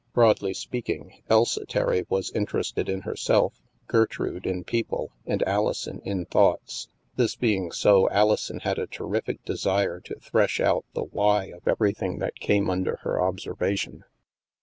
Broadly speaking, Elsa Terry was interested in herself, Gertrude in people, and Alison in thoughts. This being so, Alison had a terrific desire to thresh out the " why " of everything that came under her observation.